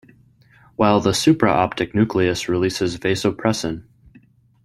While the supraoptic nucleus releases vasopressin.